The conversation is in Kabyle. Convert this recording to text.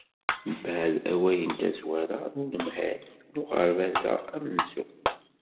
Mbeɛd awal n tazwara n unemhal n uɣerbaz-a amenzu.